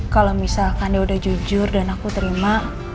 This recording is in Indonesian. kalau misalkan dia udah jujur dan aku terima